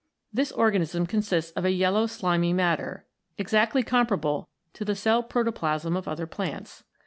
This organism consists of a yellow slimy matter, exactly com parable to the cell protoplasm of other plants.